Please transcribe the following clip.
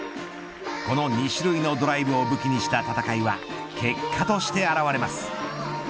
この２種類のドライブを武器にした戦いは結果として表れます。